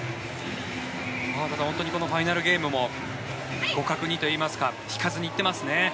本当にこのファイナルゲームも互角にといいますか引かずに行っていますね。